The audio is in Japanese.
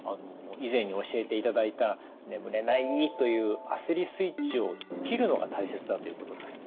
以前に教えていただいた「眠れない」という焦りスイッチを切るのが大切だということですね。